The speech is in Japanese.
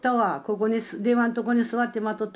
ここに電話のとこに座って待っとった。